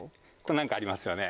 何かありますよね？